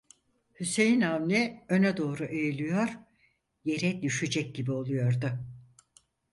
Hüseyin Avni öne doğru eğiliyor, yere düşecek gibi oluyordu.